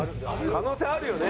可能性あるよね。